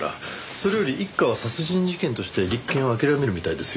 それより一課は殺人事件としての立件を諦めるみたいですよ。